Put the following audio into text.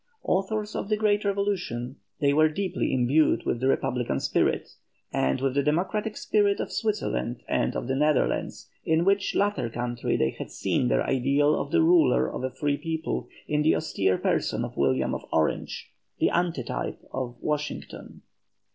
Authors of the great revolution, they were deeply imbued with the republican spirit, and with the democratic spirit of Switzerland and of the Netherlands, in which latter country they had seen their ideal of the ruler of a free people in the austere person of William of Orange, the antetype of Washington.